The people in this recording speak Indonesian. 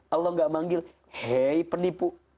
allah gak manggil hei penipu